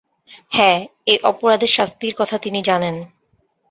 হ্যাঁ, এই অপরাধের শাস্তির কথা তিনি জানেন।